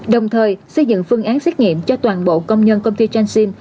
đồng thời xây dựng phương án xét nghiệm cho toàn bộ công nhân công ty jansim